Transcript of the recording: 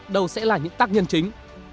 đầu sẽ là những tác nhân chính